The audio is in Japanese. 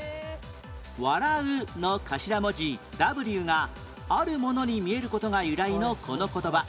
「わらう」の頭文字「ｗ」があるものに見える事が由来のこの言葉